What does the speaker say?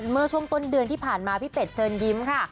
เมื่อช่วงต้นเดือนที่ผ่านมาพี่เป็ดเชิญยิ้มค่ะ